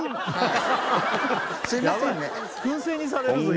すみませんね。